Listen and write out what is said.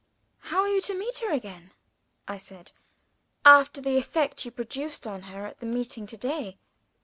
"How are you to meet her again," I said, "after the effect you produced on her at the meeting to day?"